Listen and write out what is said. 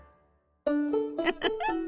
ウフフ。